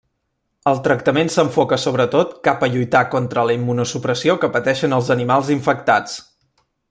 El tractament s'enfoca sobretot cap a lluitar contra la immunosupressió que pateixen els animals infectats.